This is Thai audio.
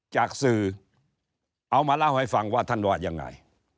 จากสื่อเอามาเล่าให้ฟังว่าท่านว่ายังไง